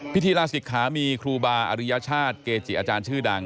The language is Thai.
พิธีลาศิกขามีครูบาอริยชาติเกจิอาจารย์ชื่อดัง